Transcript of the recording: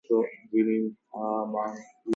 She has also discussed surrogacy issues in the media.